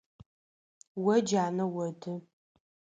О джанэ оды.